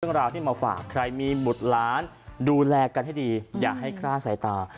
เรื่องราวที่มาฝากใครมีบุตรล้านดูแลกันให้ดีอย่าให้คล่าสายตา